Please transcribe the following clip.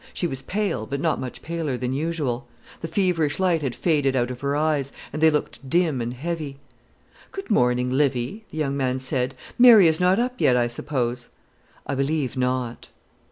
She was pale, but not much paler than usual. The feverish light had faded out of her eyes, and they looked dim and heavy. "Good morning, Livy," the young man said. "Mary is not up yet, I suppose?" "I believe not."